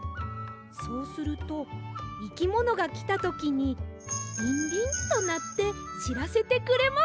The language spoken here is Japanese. そうするといきものがきたときにリンリンとなってしらせてくれます！